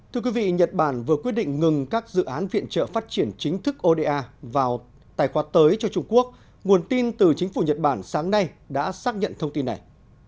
thưa quý vị nhật bản vừa quyết định ngừng các dự án viện trợ phát triển chính thức oda vào tài khoát tới cho trung quốc nguồn tin từ chính phủ nhật bản sáng nay đã xác nhận thông tin này